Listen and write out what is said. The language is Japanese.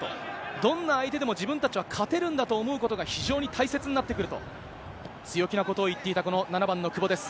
どんな相手でも自分たちは勝てるんだと思うことが非常に大切になってくると、強気なことを言っていたこの７番の久保です。